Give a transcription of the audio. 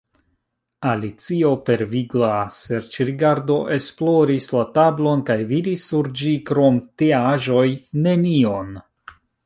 Alicio per vigla serĉrigardo esploris la tablon, kaj vidis sur ĝi krom teaĵoj nenion.